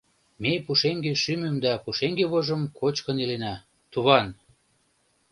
— Ме пушеҥге шӱмым да пушеҥге вожым кочкын илена, туван!..